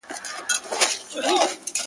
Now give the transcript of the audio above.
نه په بګړۍ نه په تسپو نه په وینا سمېږي.!